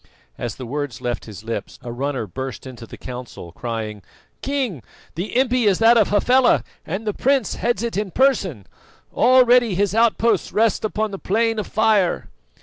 As the words left his lips, a runner burst into the council, crying: "King, the impi is that of Hafela, and the prince heads it in person. Already his outposts rest upon the Plain of Fire."